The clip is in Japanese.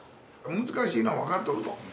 難しいのは分かっとると。